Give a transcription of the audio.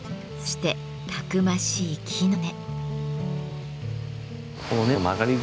そしてたくましい木の根。